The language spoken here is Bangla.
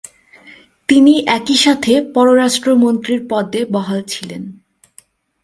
তিনি একইসাথে পররাষ্ট্র মন্ত্রীর পদে বহাল ছিলেন।